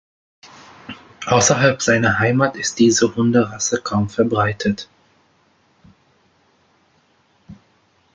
Außerhalb seiner Heimat ist diese Hunderasse kaum verbreitet.